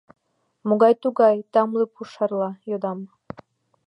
— Могай-тугай тамле пуш шарла? — йодам.